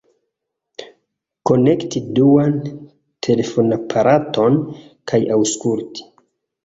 Konekti duan telefonaparaton kaj aŭskulti.